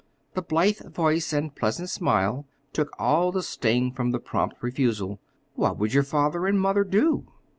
The blithe voice and pleasant smile took all the sting from the prompt refusal. "What would father and mother do?"